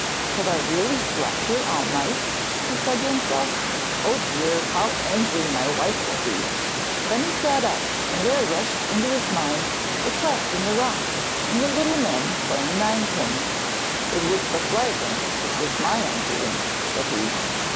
'Have I really slept here all night?' he said to himself. 'Oh, dear, how angry my wife will be!' Then he sat up, and there rushed into his mind the cleft in the rocks and the little men playing ninepins. 'It was the flagon which was my undoing,' said he.